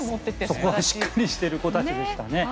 そこはしっかりしている子たちでしたね。